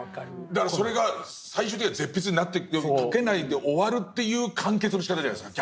だからそれが最終的には絶筆になっていく描けないで終わるという完結のしかたじゃないですか。